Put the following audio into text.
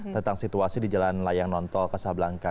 tentang situasi di jalan layang nontol kasab langka